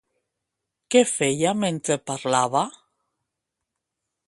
Què feia mentre parlava?